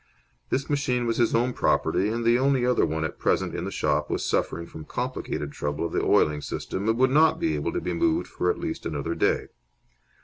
This machine was his own property, and the only other one at present in the shop was suffering from complicated trouble of the oiling system and would not be able to be moved for at least another day.